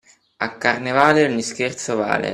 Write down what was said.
A carnevale ogni scherzo vale.